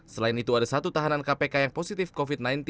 selain itu ada satu tahanan kpk yang positif covid sembilan belas